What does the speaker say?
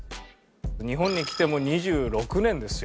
日本に来てもう２６年ですよ。